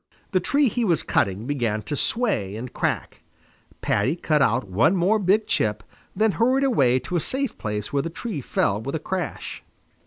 The tree he was cutting began to sway and crack. Paddy cut out one more big chip, then hurried away to a safe place while the tree fell with a crash.